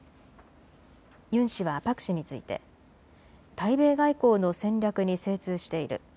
ユン氏はパク氏について、対米外交の戦略に精通している。